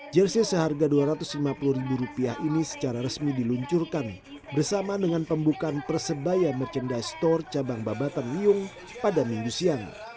jersey seharga dua ratus lima puluh ribu rupiah ini secara resmi diluncurkan bersama dengan pembukaan persebaya merchandise store cabang babatan liung pada minggu siang